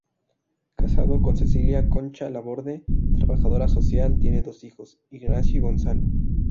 Casado con Cecilia Concha Laborde, trabajadora social, tiene dos hijos: Ignacio y Gonzalo.